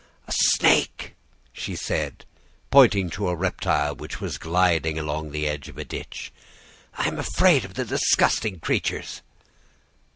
"'A snake!' she said, pointing to a reptile which was gliding along the edge of a ditch. 'I am afraid of the disgusting creatures.